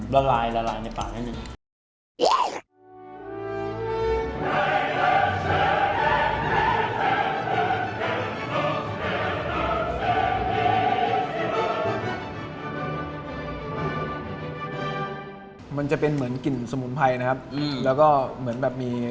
ละลายละลายในปากให้หนึ่ง